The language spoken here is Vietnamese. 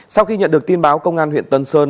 sau khi nhận được tin báo công an huyện tân sơn